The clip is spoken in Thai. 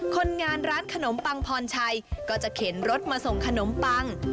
คนงานร้านขนมปังพรชัยก็จะเข็นรถมาส่งขนมปัง